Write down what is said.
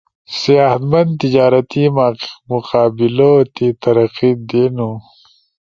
ؤ صحت مند تجارتی مقابلؤ تی ترقی دینو۔